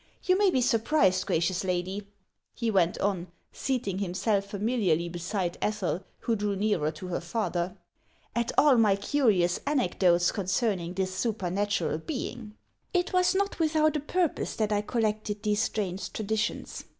You may be surprised, gracious lady," he went on, seating himself familiarly beside Ethel, who drew nearer 1 The Pei si.iii god of evil. HAXS OF ICELAND. 101 to her father, "at all my curious anecdotes concerning this supernatural being. It was not without a purpose that I collected these strange traditions.